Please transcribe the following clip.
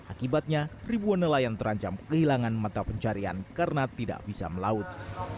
akibatnya ribuan nelayan terancam kehilangan mata pencarian karena tidak bisa melaut